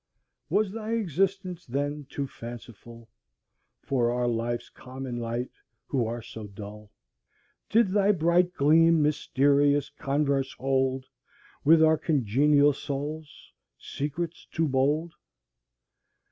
Was thy existence then too fanciful For our life's common light, who are so dull? Did thy bright gleam mysterious converse hold With our congenial souls? secrets too bold?